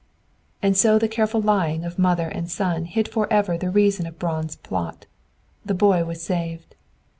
And so the careful lying of mother and son hid forever the reason of Braun's plot. The boy was saved.